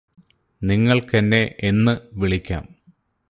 നിങ്ങൾക്കെന്നെ എന്ന് വിളിക്കാം